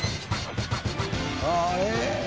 ああええ？